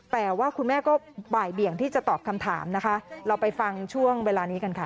แต่ว่าคุณแม่ก็บ่ายเบี่ยงที่จะตอบคำถามนะคะเราไปฟังช่วงเวลานี้กันค่ะ